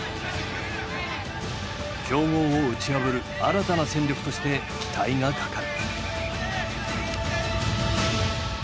強豪を打ち破る新たな戦力として期待がかかる。